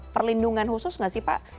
perlindungan khusus nggak sih pak